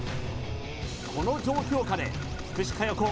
この状況下で福士加代子